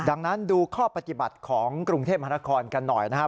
ดังนั้นดูข้อปฏิบัติของกรุงเทพมหานครกันหน่อยนะครับ